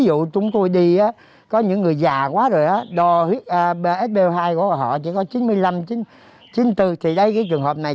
là chúng tôi đi có những người già quá rồi đó đo spo hai của họ chỉ có chín mươi năm chín mươi bốn thì đấy cái trường hợp này